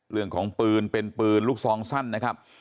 เรื่องของปืนเป็นปืนลูกซองสั้นนะครับ